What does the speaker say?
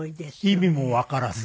意味もわからず。